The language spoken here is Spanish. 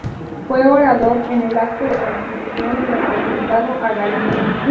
Fue orador en el acto de constitución representado a Galicia.